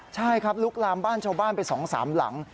ใช่ครับลุกลามบ้านชาวบ้านไป๒๓หลัง